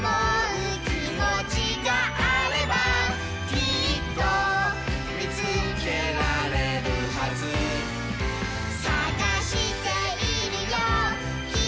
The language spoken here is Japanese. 「きっとみつけられるはず」「さがしているよキミのいばしょを」